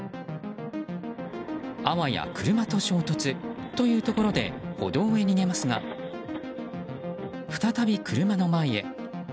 あわや車と衝突というところで歩道へ逃げますが再び来る前の前へ。